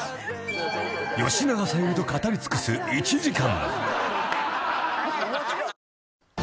［吉永小百合と語り尽くす１時間］